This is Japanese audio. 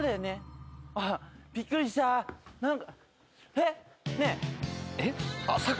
えっ？ねえ。